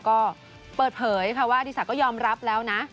ก็เปิดเผยว่าอาริสาก็ยอมรับแล้วนะ